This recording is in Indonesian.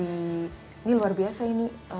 ini luar biasa ini